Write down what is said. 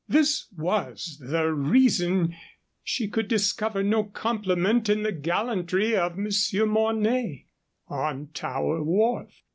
This was the reason she could discover no compliment in the gallantry of Monsieur Mornay on Tower Wharf.